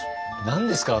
何ですか？